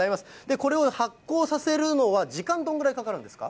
これを発酵させるのは、時間、どれぐらいかかるんですか。